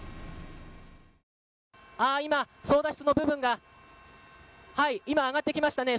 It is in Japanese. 今、操舵室の部分が揚がってきましたね。